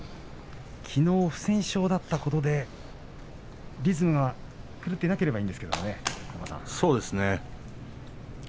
きのう不戦勝だったことでリズムが狂っていなければいいんですがね。